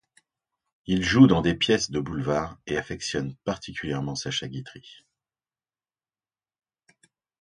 Il joue dans des pièces de boulevard et affectionne particulièrement Sacha Guitry.